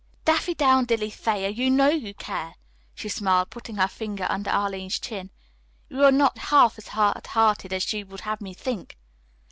"Daffydowndilly Thayer, you know you care," she smiled, putting her finger under Arline's chin. "You are not half as hard hearted as you would have me think."